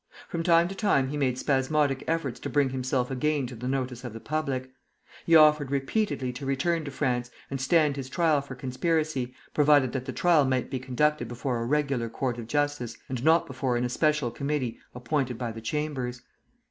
From time to time he made spasmodic efforts to bring himself again to the notice of the public. He offered repeatedly to return to France and stand his trial for conspiracy, provided that the trial might be conducted before a regular court of justice, and not before an especial committee appointed by the Chambers.